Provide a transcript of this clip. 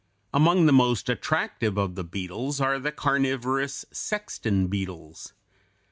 Among the most attractive of the beetles are the carnivorous sexton beetles.